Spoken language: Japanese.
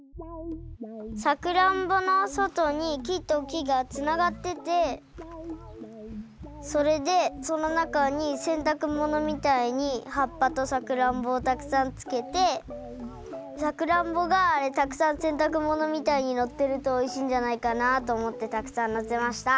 さくらんぼのそとにきときがつながっててそれでそのなかにせんたくものみたいにはっぱとさくらんぼをたくさんつけてさくらんぼがたくさんせんたくものみたいになってるとおいしいんじゃないかなとおもってたくさんのせました。